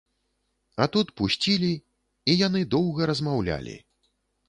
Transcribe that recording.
А тут пусцілі, і яны доўга размаўлялі.